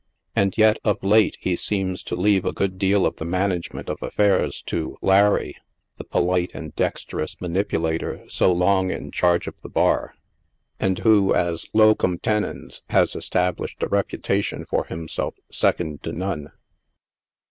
And yet, of late, he seems to leave a good deal of the management of affairs to " Larry," the polite and dexterous manipulator so long in charge of the bar. and who, as locum teriens, has established a re putation for himself second to none.